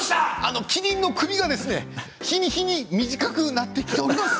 キリンの首が日に日に短くなってきています。